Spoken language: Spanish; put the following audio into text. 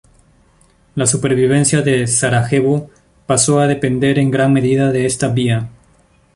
La supervivencia de Sarajevo pasó a depender en gran medida de esta vía.